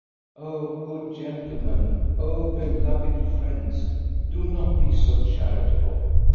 " Oh, good gentlemen ! Oh, beloved friends ! Do not be so charitable.